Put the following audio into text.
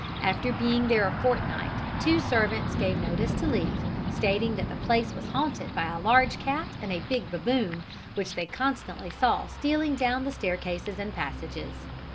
After being there a fortnight two servants gave notice to leave, stating that the place was haunted by a large cat and a big baboon, which they constantly saw stealing down the staircases and passages.